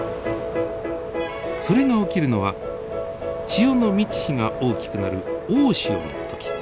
それが起きるのは潮の満ち干が大きくなる大潮の時。